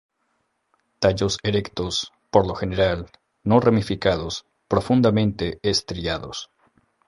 Tallos erectos, por lo general no ramificados, profundamente estriados.